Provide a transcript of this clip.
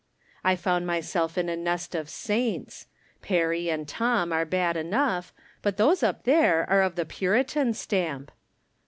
I found myself in a nest of saints ; Perry and Tom are bad enough, but those up there are of the . Puritan stamp.